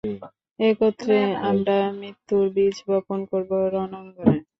একত্রে আমরা মৃত্যুর বীজ বপন করবো রণাঙ্গনে!